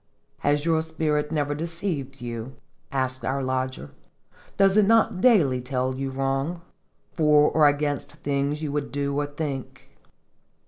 " ''Has your spirit never deceived you?" asked our lodger; " does it not daily tell you wrong, for or against things you would do or think?"